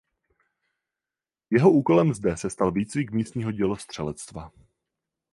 Jeho úkolem zde se stal výcvik místního dělostřelectva.